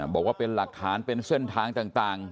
บอกว่าเป็นหลักฐานเป็นเส้นทางต่าง